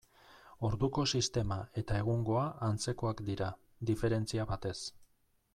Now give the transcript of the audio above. Orduko sistema eta egungoa antzekoak dira, diferentzia batez.